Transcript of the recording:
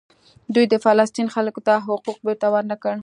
دوی د فلسطین خلکو ته حقوق بیرته ورنکړل.